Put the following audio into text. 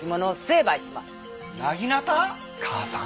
母さん。